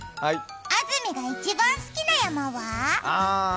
あずみが一番好きな山は？